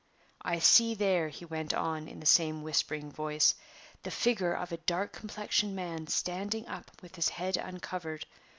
"I see there," he went on, in the same whispering voice, "the figure of a dark complexioned man standing up with his head uncovered.